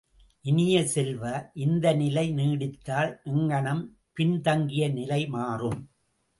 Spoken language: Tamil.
இனிய செல்வ, இந்த நிலை நீடித்தால் எங்ஙனம் பின்தங்கிய நிலை மாறும்?